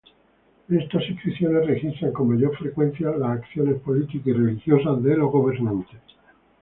Estas inscripciones registran con mayor frecuencia las acciones políticas y religiosas de los gobernantes.